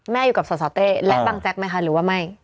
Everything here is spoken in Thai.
อยู่กับสสเต้และบังแจ๊กไหมคะหรือว่าไม่